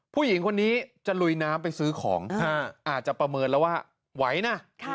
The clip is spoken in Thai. ผู้หญิงคนนี้จะลุยน้ำไปซื้อของอาจจะประเมินแล้วว่าไหวนะ